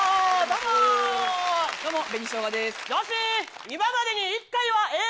どうも紅しょうがです。